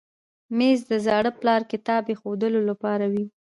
مېز د زاړه پلار کتاب ایښودلو لپاره وي.